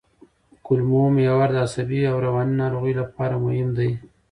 کولمو محور د عصبي او رواني ناروغیو لپاره مهم دی.